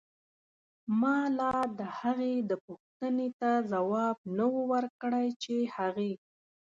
مالا دهغې دپو ښتنې ته ځواب نه و ورکړی چې هغې